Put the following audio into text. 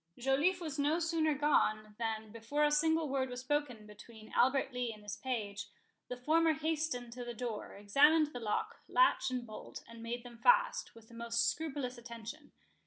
Joliffe was no sooner gone, than, before a single word was spoken between Albert Lee and his page, the former hastened to the door, examined lock, latch, and bolt, and made them fast, with the most scrupulous attention.